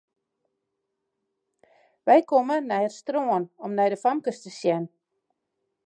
Wy komme nei it strân om nei de famkes te sjen.